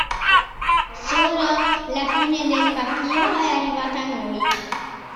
Solo la fine del papiro è arrivata a noi.